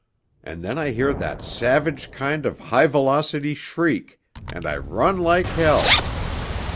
and then I hear that savage kind of high velocity shriek, and I run like hell